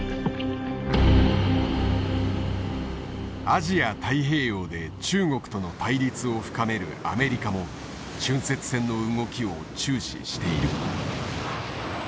アジア太平洋で中国との対立を深めるアメリカも浚渫船の動きを注視している。